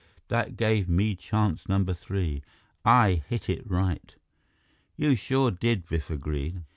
That gave me chance number three. I hit it right." "You sure did," Biff agreed.